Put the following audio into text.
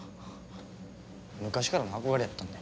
昔からの憧れやったんで。